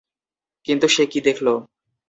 কিন্তু সে কি দেখল?